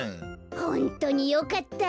ホントによかった。